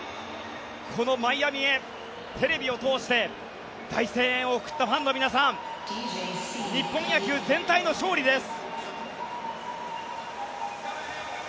このマイアミへテレビを通して大声援を送ったファンの皆さん日本野球全体の勝利です。